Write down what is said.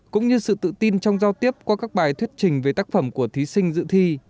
cũng như sự tự tin trong giao tiếp qua các bài thuyết trình về tác phẩm của thí sinh dự thi